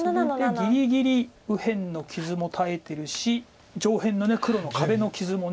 ぎりぎり右辺の傷も耐えてるし上辺の黒の壁の傷も。